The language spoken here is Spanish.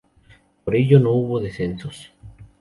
Por ello, no hubo descensos.